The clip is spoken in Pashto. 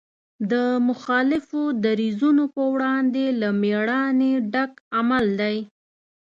د مخالفو دریځونو په وړاندې له مېړانې ډک عمل دی.